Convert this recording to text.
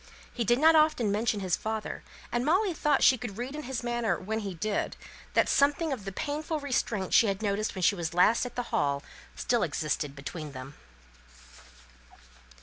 He did not often mention his father; and Molly thought she could read in his manner, when he did, that something of the painful restraint she had noticed when she was last at the Hall still existed between them.